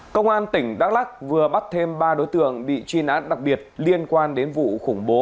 công an tỉnh đắk lắc vừa bắt thêm ba đối tượng bị truy nã đặc biệt liên quan đến vụ khủng bố